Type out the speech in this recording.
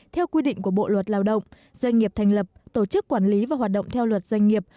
theo quy định của bộ luật lao động doanh nghiệp thành lập tổ chức quản lý và hoạt động theo luật doanh nghiệp